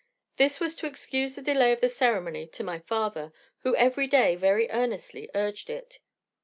This was to excuse the delay of the ceremony to my father, who every day very earnestly urged it.